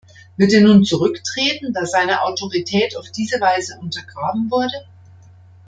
Wird er nun zurücktreten, da seine Autorität auf diese Weise untergraben wurde?